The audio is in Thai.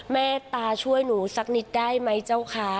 แม่ตาช่วยหนูสักนิดได้ไหมเจ้าคะ